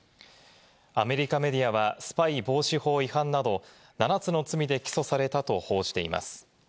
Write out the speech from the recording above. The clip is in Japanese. アメリカメディアはスパイ防止法違反など７つの罪で起訴されたと報じています。